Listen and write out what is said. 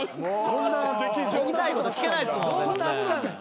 聞きたいこと聞けないですもん